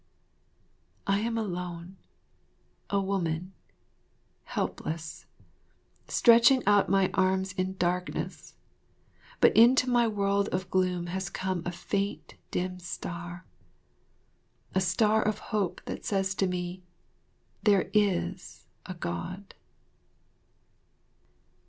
I am alone, a woman, helpless, stretching out my arms in darkness, but into my world of gloom has come a faint dim star, a star of hope that says to me, "There is a God."